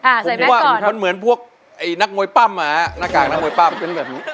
อ่าใส่แมทก่อนครับมันเหมือนพวกไอ้นักมวยปั้มอ่ะอ่ะหน้ากากนักมวยปั้มเป็นแบบนี้